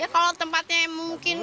ya kalau tempatnya mungkin